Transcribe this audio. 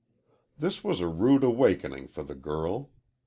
This was a rude awakening for the girl.